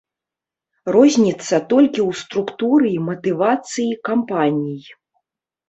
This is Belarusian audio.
Розніца толькі ў структуры і матывацыі кампаній.